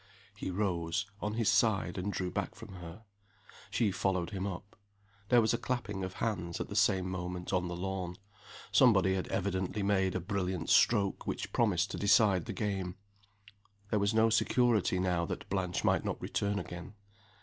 He rose, on his side, and drew back from her. She followed him up. There was a clapping of hands, at the same moment, on the lawn. Somebody had evidently made a brilliant stroke which promised to decide the game. There was no security now that Blanche might not return again.